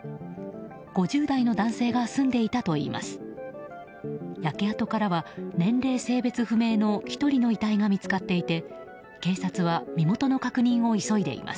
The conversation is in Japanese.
５０代の男性が住んでいたといいます。